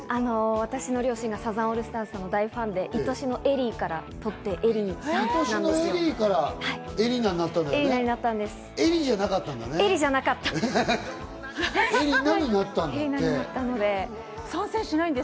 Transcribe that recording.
私の両親がサザンオールスターズの大ファンで、『いとしのエリー』から絵里奈になったんです。